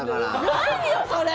何よそれ！